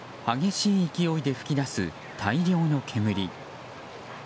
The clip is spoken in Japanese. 激しい勢いで噴き出す大量の煙。